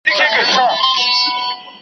برج دي تر آسمانه، سپي دي له لوږي مري .